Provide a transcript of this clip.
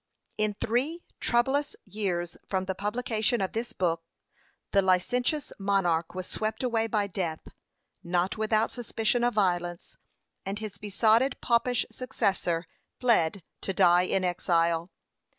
In three troublous years from the publication of this book, the licentious monarch was swept away by death, not without suspicion of violence, and his besotted popish successor fled to die in exile.